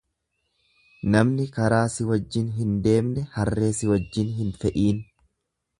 Namni karaa si wajjin hin deemne harree si wajjin hin fe'iin.